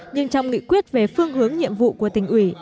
nhưng trong nghị quyết về phương hướng nhiệm vụ của tỉnh ủy